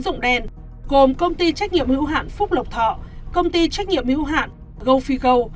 tụng đen gồm công ty trách nhiệm hữu hạn phúc lộc thọ công ty trách nhiệm hữu hạn gophigo